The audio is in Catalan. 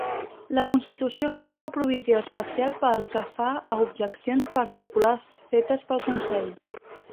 La Constitució feia una provisió especial pel que fa a objeccions particulars fetes pel Consell.